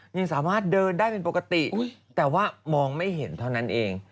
ยังสามารถเดินได้เป็นปกติแต่ว่ามองไม่เห็นเท่านั้นเอง